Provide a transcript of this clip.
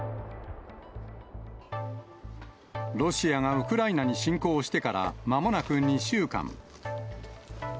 ロシアがウクライナに侵攻してからまもなく２週間。